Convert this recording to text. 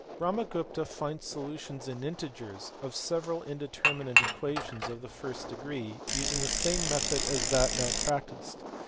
Brahmagupta finds solutions in integers of several in determinate equations of the first degree, using the same method as that now practised.